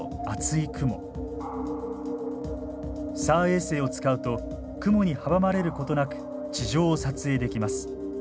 ＳＡＲ衛星を使うと雲に阻まれることなく地上を撮影できます。